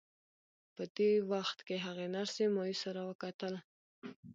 په دې وخت کې هغې نرسې مایوسه را وکتل